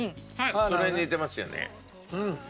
それに似てますよね。